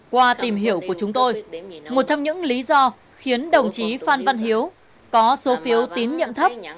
qua tìm hiểu của chúng tôi một trong những lý do khiến đồng chí phan văn hiếu có số phiếu tín nhiệm thấp